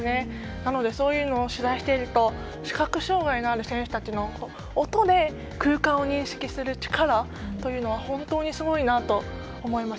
なので、そういうのを取材していると視覚障がいのある選手たちの音で空間を認識する力は本当にすごいなと思います。